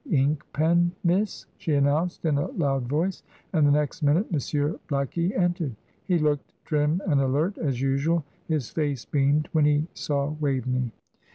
Ink pen, miss," she announced, in a loud voice; and the next minute Monsieur Blackie entered. He looked trim and alert, as usual; his face beamed when he saw Waveney.